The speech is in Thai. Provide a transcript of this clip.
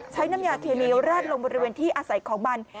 น้ำยาเคมีราดลงบริเวณที่อาศัยของมัน